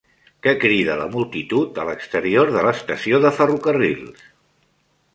Què crida la multitud a l'exterior de l'estació de ferrocarrils?